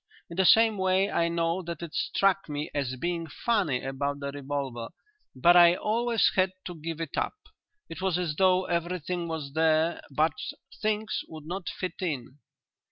In the same way I know that it struck me as being funny about the revolver but I always had to give it up. It was as though everything was there but things would not fit in."